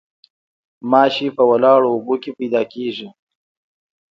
ماشي په ولاړو اوبو کې پیدا کیږي